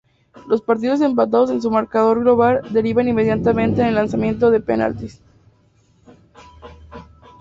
Los partidos empatados en su marcador global derivaban inmediatamente en lanzamientos de penaltis.